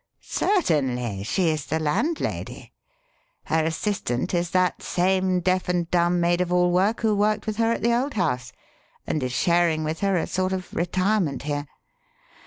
"Certainly; she is the landlady. Her assistant is that same deaf and dumb maid of all work who worked with her at the old house, and is sharing with her a sort of 'retirement' here.